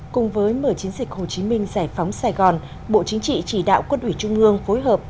cùng với mở chiến dịch hồ chí minh giải phóng sài gòn bộ chính trị chỉ đạo quân ủy trung ương phối hợp